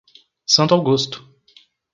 Santo Augusto